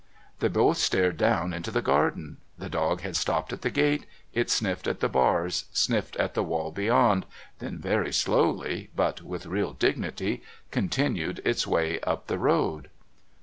They both stared down into the garden. The dog had stopped at the gate; it sniffed at the bars, sniffed at the wall beyond, then very slowly but with real dignity continued its way up the road.